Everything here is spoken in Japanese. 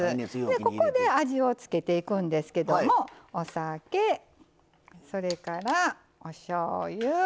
ここで味を付けていくんですけどもお酒それからおしょうゆ。